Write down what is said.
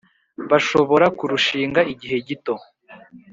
bashobora kurushinga igihe gito